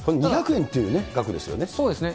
２００円という額ですよね。